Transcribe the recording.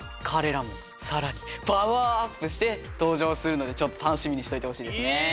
かれらもさらにパワーアップしてとうじょうするのでちょっとたのしみにしといてほしいですね。